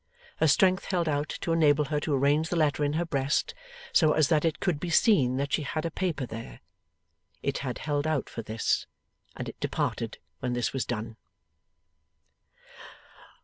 Her strength held out to enable her to arrange the letter in her breast, so as that it could be seen that she had a paper there. It had held out for this, and it departed when this was done.